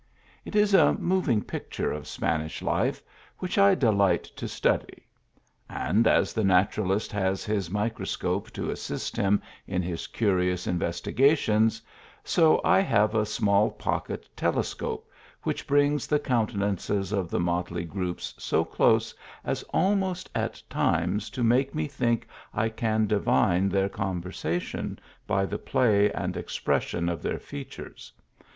It is a moving picture of Spanish life which I de lign~t to study ; and as the naturalist has his micro scope to assist him in his curious investigations, so I have a small pocket telescope which brings the countenances of the motley groupes so close as al most at limes to make me think I can divine their THE BALCONY. T3 conversation by the play and expression of their features.